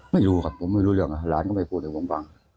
ไม่รู้ครับผมไม่รู้เรื่องนะหลานก็ไม่พูดให้ผมฟัง